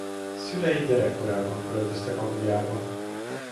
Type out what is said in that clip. Szülei gyerekkorában költöztek Angliába.